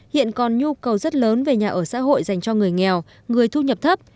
hiện còn nhu cầu rất lớn về nhà ở xã hội dành cho người nghèo người thu nhập thấp